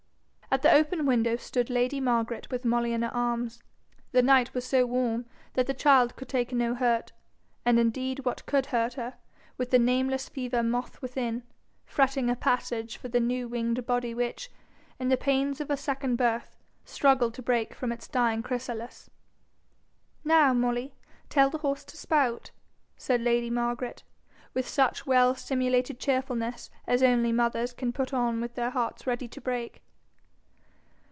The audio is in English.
At the open window stood lady Margaret with Molly in her arms. The night was so warm that the child could take no hurt; and indeed what could hurt her, with the nameless fever moth within, fretting a passage for the new winged body which, in the pains of a second birth, struggled to break from its dying chrysalis. 'Now, Molly, tell the horse to spout,' said lady Margaret, with such well simulated cheerfulness as only mothers can put on with hearts ready to break.